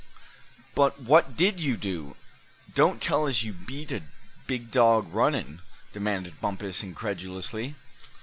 "But what did you do; don't tell us you beat a big dog runnin'?" demanded Bumpus, incredulously.